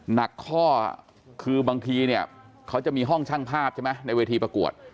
หนักข้อคือบางทีเนี่ยเขาจะมีห้องช่างภาพใช่ไหมในเวทีประกวด